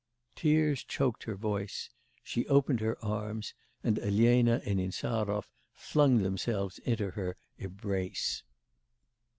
Tears choked her voice. She opened her arms, and Elena and Insarov flung themselves into her embrace.